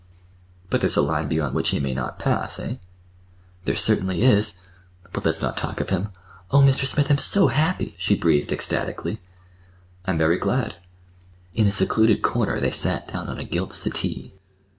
"But there's a line beyond which he may not pass, eh?" "There certainly is!—but let's not talk of him. Oh, Mr. Smith, I'm so happy!" she breathed ecstatically. "I'm very glad." In a secluded corner they sat down on a gilt settee.